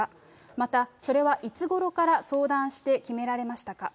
またそれはいつごろから相談して決められましたか。